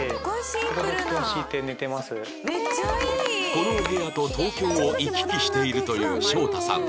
このお部屋と東京を行き来しているというしょうたさん。